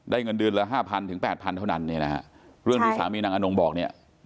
เงินเดือนละห้าพันถึงแปดพันเท่านั้นเนี่ยนะฮะเรื่องที่สามีนางอนงบอกเนี่ย